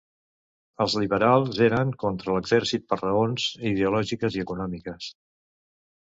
Els liberals eren contra l'exèrcit per raons ideològiques i econòmiques.